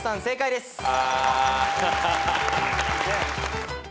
正解です。